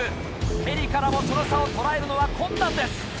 ヘリからもその差を捉えるのは困難です。